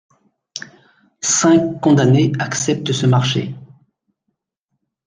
Cinq condamnés acceptent ce marché.